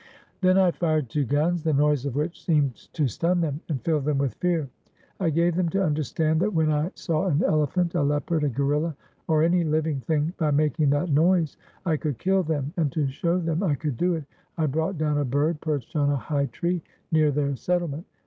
Then I fired two guns, the noise of which seemed to stun them and fill them with fear, I gave them to under stand that when I saw an elephant, a leopard, a gorilla, or any living thing, by making that noise I could kill them, and to show them I could do it I brought down a bird perched on a high tree near their settlement.